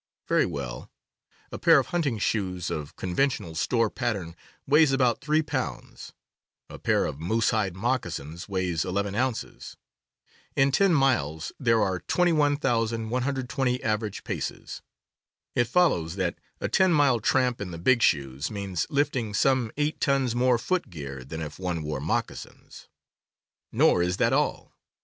Very well; a pair of hunting shoes of con ventional store pattern weighs about three pounds; a 18 CAMPING AND WOODCRAFT pair of moose hide moccasins weighs eleven ounces. In ten miles there are 21,120 average paces. It follows that a ten mile tramp in the big shoes means lifting some eight tons more footgear than if one wore moc casins. Nor is that all.